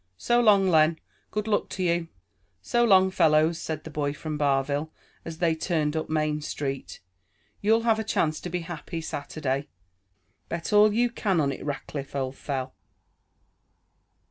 So long, Len. Good luck to you." "So long, fellows," said the boy from Barville, as they turned up Main Street. "You'll have a chance to be happy Saturday. Bet all you can on it, Rackliff, old fel."